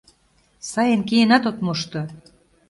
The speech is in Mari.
Сайын киенат от мошто!